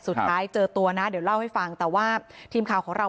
สุดท้ายเจอตัวนะเดี๋ยวเล่าให้ฟังแต่ว่าทีมข่าวของเรา